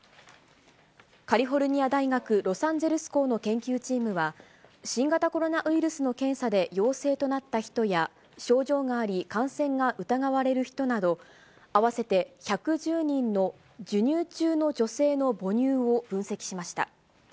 カリフォルニア大学ロサンゼルス校の研究チームは、新型コロナウイルスの検査で陽性となった人や、症状があり感染が疑われる人など、合わせて１１０人の授乳中の女性の母乳を分析しました。